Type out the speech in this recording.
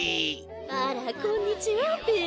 あらこんにちはべ。